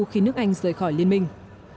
khi nước anh rời khỏi liên minh